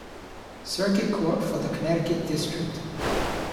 Circuit Court for the Connecticut District.